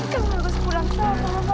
kamu harus pulang sama mama